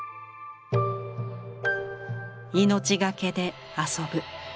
「命がけで遊ぶ」。